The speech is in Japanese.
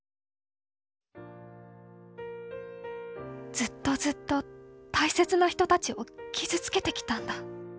「ずっとずっと大切な人たちを傷つけてきたんだ。